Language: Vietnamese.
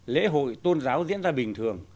lễ hội tôn giáo diễn ra bình thường